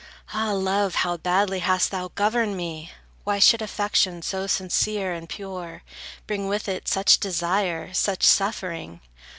Ah, Love, how badly hast thou governed me! Why should affection so sincere and pure, Bring with it such desire, such suffering?